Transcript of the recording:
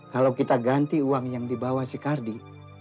kalau kita ganti uang yang dibawa si kardi